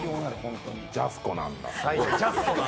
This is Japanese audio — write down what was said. ジャスコなんだ。